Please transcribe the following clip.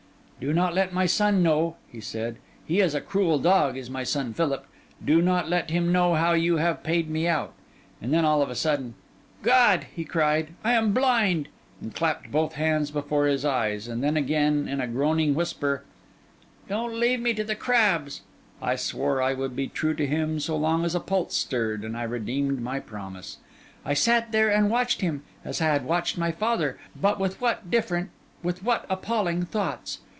'Do not let my son know,' he said; 'he is a cruel dog, is my son Philip; do not let him know how you have paid me out;' and then all of a sudden, 'God,' he cried, 'I am blind,' and clapped both hands before his eyes; and then again, and in a groaning whisper, 'Don't leave me to the crabs!' I swore I would be true to him so long as a pulse stirred; and I redeemed my promise. I sat there and watched him, as I had watched my father, but with what different, with what appalling thoughts!